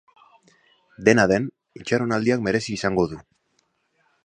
Dena den, itxaronaldiak merezi izango du.